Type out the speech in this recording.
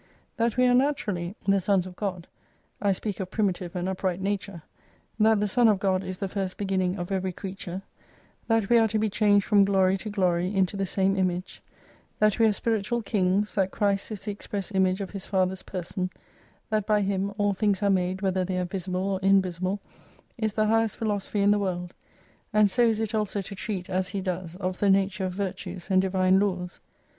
That we are naturally the Sons of 239 God (I speak of primitive and upright nature,) that the Son of God is the first beginning of every creature, that we are to be changed from glory to glory into the saine Image, that we are spiritual Kings, that Christ is the express Image of His Father's person, that by Him all things are madeVhether they are visible or invisible, is the highest Philosophy in the world ; and so is it also to treat, as he does, of the nature of virtues and Divine Laws.